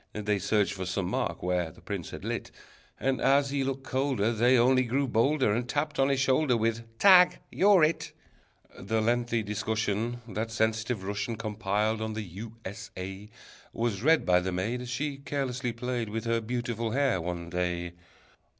They searched for some mark where the prince had lit, And as he looked colder, They only grew bolder, And tapped on his shoulder With: "Tag! You're It!" The lengthy discussion That sensitive Russian Compiled on the U. S. A. Was read by the maid, As she carelessly played With her beautiful hair one day.